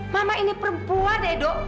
mama ini perempuan edo